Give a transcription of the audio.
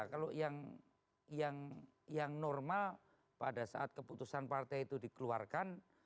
kalau yang normal pada saat keputusan partai itu dikeluarkan